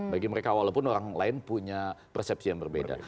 bagi mereka walaupun orang lain punya persepsi yang berbeda